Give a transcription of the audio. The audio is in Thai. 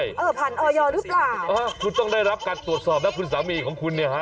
เออผ่านออยหรือเปล่าเออคุณต้องได้รับการตรวจสอบนะคุณสามีของคุณเนี่ยฮะ